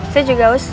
saya juga haus